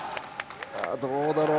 どうだろう。